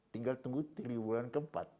tinggal tunggu tiga bulan keempat